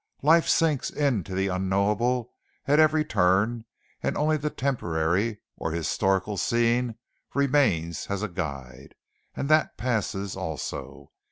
Life sinks into the unknowable at every turn and only the temporary or historical scene remains as a guide, and that passes also.